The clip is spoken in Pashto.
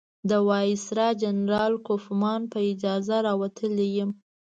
د وایسرا جنرال کوفمان په اجازه راوتلی یم.